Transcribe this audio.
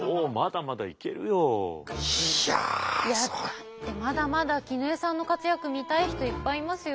だってまだまだ絹枝さんの活躍見たい人いっぱいいますよ。